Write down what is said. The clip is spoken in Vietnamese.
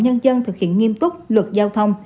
nhân dân thực hiện nghiêm túc luật giao thông